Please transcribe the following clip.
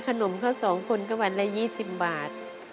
ค่าขนมเขาสองคนก็วันละยี่สิบบาท